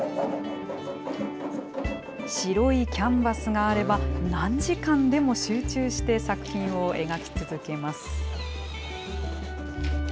白いキャンバスがあれば、何時間でも集中して作品を描き続けます。